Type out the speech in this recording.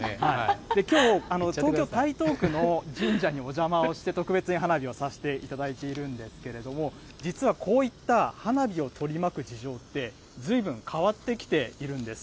きょう、東京・台東区の神社にお邪魔をして、特別に花火をさせていただいているんですけれども、実はこういった花火を取り巻く事情って、ずいぶん変わってきているんです。